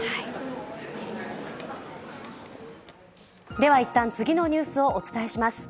ではいったん次のニュースをお伝えします。